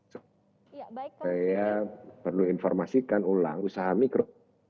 saya perlu informasikan ulang usaha mikro